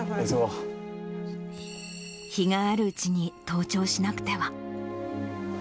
日があるうちに登頂しなくては。